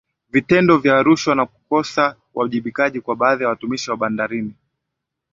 Vitendo vya rushwa na kukosa uwajibikaji kwa baadhi ya watumishi wa bandarini